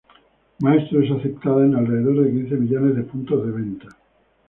Maestro es aceptada en alrededor de quince millones de puntos de ventas.